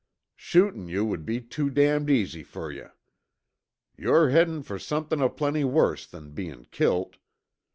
Shootin' you would be too damned easy fer you. Yore headin' fer somethin' aplenty worse than bein' kilt.